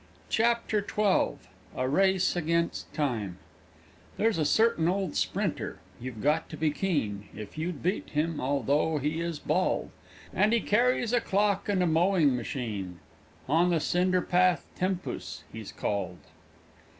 CHAPTER XII A RACE AGAINST TIME There's a certain old Sprinter; you've got to be keen, If you'd beat him although he is bald, And he carries a clock and a mowing machine. On the cinderpath "Tempus" he's called.